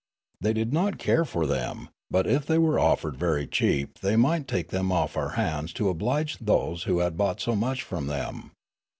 They did not care for them ; but if they were offered ver^^ cheap they might take them off our hands to oblige those who had bought so much from them.